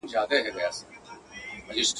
هر موسم یې ګل سرخ کې هر خزان ورته بهار کې !.